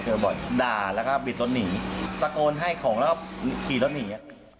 บ่อยด่าแล้วก็บิดรถหนีตะโกนให้ของแล้วก็ขี่รถหนี